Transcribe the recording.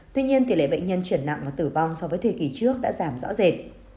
tuy nhiên tỷ lệ bệnh nhân chuyển nặng và tử vong so với thời kỳ trước đã giảm rõ rệt